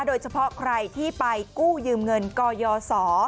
โดยเฉพาะใครที่ไปกู้ยืมเงินกยศ